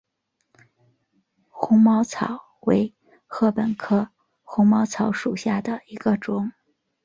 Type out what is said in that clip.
红毛草为禾本科红毛草属下的一个种。